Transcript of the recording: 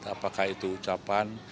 apakah itu ucapan